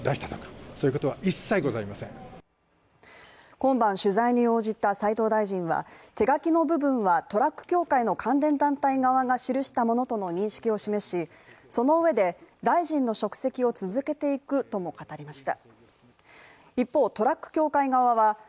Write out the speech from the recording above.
今晩取材に応じた斉藤大臣は手書きの部分はトラック協会の関連団体側が記したものとの認識を示し、その上で、大臣の職責を続けていくとも語りました。